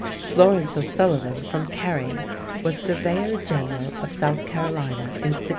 Florence O'Sullivan from Kerry was surveyor general of South Carolina in 1671.